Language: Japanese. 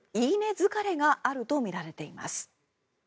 疲れがあるとみられています。